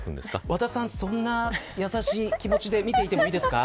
和田さん、そんな優しい気持ちで見ていてもいいですか。